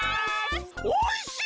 おいしい。